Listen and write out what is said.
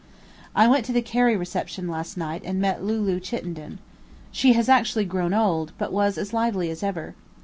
I went to the Cary reception last night and met Lulu Chittenden. She has actually grown old, but was as lively as ever.